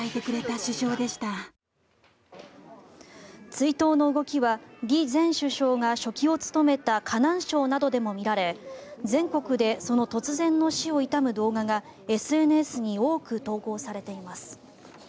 追悼の動きは李前首相が書記を務めた河南省などでも見られ全国でその突然の死を悼む動画がＳＮＳに多く投稿されています。